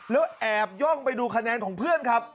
แล้วแอบย่องไปดูคะแนนของเพื่อนครับ